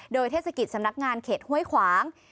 โดยเทศกิจสำนักงานเขตห้วยขวาง